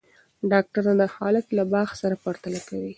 ډاکټره دا حالت له باغ سره پرتله کوي.